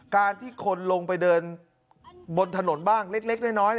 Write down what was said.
การที่คนลงไปเดินบนถนนบ้างเล็กน้อย